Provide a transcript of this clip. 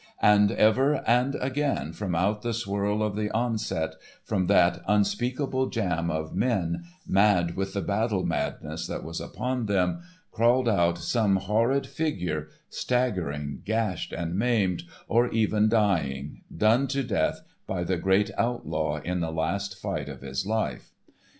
And ever and again from out the swirl of the onset, from that unspeakable jam of men, mad with the battle madness that was upon them, crawled out some horrid figure, staggering, gashed, and maimed, or even dying, done to death by the great Outlaw in the last fight of his life.